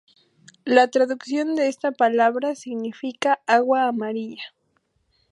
La traducción de esta palabra significa "agua amarilla".